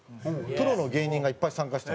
プロの芸人がいっぱい参加した。